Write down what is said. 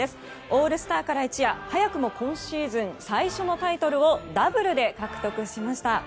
オールスターから一夜、早くも今シーズン最初のタイトルをダブルで獲得しました。